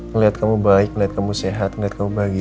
ngelihat kamu baik melihat kamu sehat melihat kamu bahagia